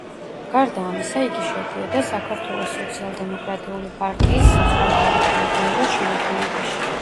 გარდა ამისა, იგი შედიოდა საქართველოს სოციალ-დემოკრატიული პარტიის საზღვარგარეთული ბიუროს შემადგენლობაში.